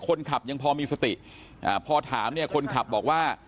คนขับยังพอมีสติอ่าพอถามเนี่ยคนขับบอกว่า